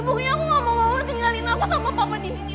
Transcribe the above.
boknya aku gak mau mama tinggalin aku sama papa disini